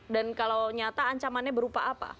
dan kalau nyata ancamannya berupa apa